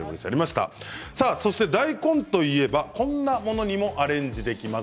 大根といえばこんなものにもアレンジできます。